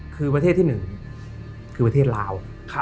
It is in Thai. คือประเทศที่๑คือประเทศลาว